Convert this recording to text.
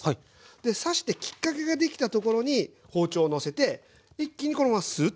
で刺してきっかけができたところに包丁をのせて一気にこのままスー。